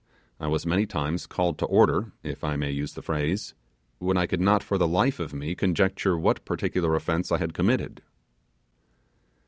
I was many times called to order, if I may use the phrase, when I could not for the life of me conjecture what particular offence I had committed.